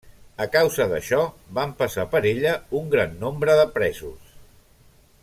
A causa d'això, van passar per ella un gran nombre de presos.